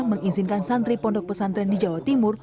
mengizinkan santri pondok pesantren di jawa timur